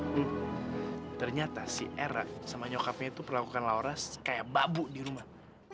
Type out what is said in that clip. hmm ternyata si era sama nyokapnya itu perlakukan laura kayak babu di rumah